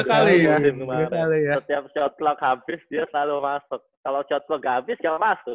kalau shot clock gak habis dia masuk